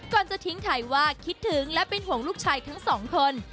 ก่อนจะทิ้งท้ายว่าคิดถึงและเป็นห่วงลูกชายทั้งสองคน